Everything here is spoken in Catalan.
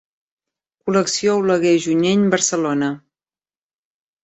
Col·lecció Oleguer Junyent, Barcelona.